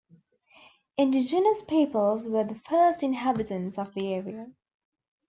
Indigenous peoples were the first inhabitants of the area.